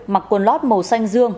mặc quần lót màu xanh dương